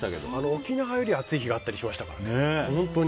沖縄より暑い日があったりしましたからね。